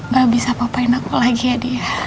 gak bisa papain aku lagi ya dia